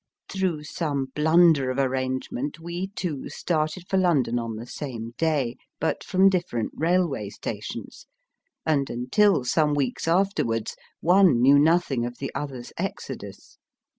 Through some blunder of arrangement we two started for London on the same day, but from different railway stations, and, until some weeks afterwards, one knew nothing of the other s exodus.